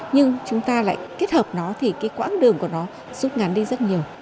nhưng chúng ta lại kết hợp nó thì quãng đường của nó xúc ngắn đi rất nhiều